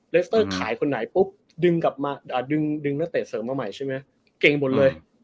เลสเตอร์ขายคนไหนปุ๊บดึงนักเตะเสริมมาใหม่ใช่ไหมกล้องเก่งหมดเลย